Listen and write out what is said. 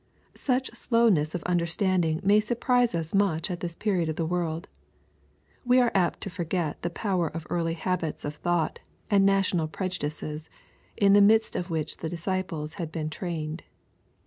Such slowness of understanding may surprise us much at this period of the world. We are apt to forget the power of early habits of thought, and national prejudices, in the midst of which the disciples had been trained.